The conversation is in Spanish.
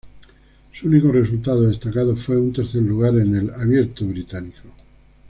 Su único resultado destacado fue un tercer lugar en el Abierto Británico.